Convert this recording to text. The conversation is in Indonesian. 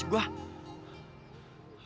aduh kori mana ya